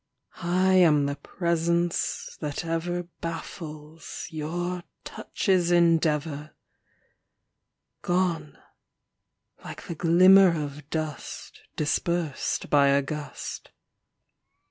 I am the presence that ever Baffles your touch's endeavor, Gone like the glimmer of dust Dispersed by a gust.